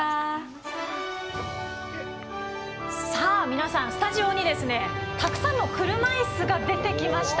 皆さん、スタジオにたくさんの車いすが出てきました。